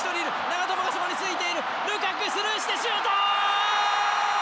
長友がそこについているスルーしてシュート！